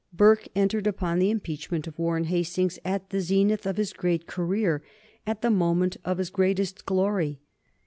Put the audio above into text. Burke entered upon the impeachment of Warren Hastings at the zenith of his great career, at the moment of his greatest glory.